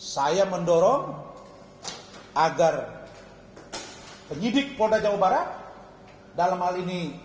saya mendorong agar penyidik polda jawa barat dalam hal ini